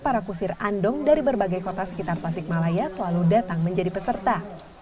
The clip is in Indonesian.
para kusir andong dari berbagai kota sekitar tasikmalaya selalu datang menjadi peserta